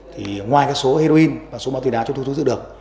thì ngoài số heroin và số máu tùy đá chúng tôi thu giữ được